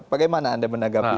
bagaimana anda menanggapi ini